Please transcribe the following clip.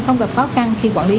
không gặp khó khăn khi quản lý